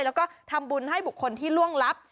แล้วก็ทำบุญให้บุคคลที่ล่วงลับ